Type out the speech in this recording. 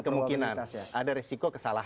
kemungkinan kemungkinan ada risiko kesalahan